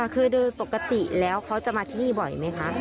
คือโดยปกติแล้วเขาจะมาที่นี่บ่อยไหมคะ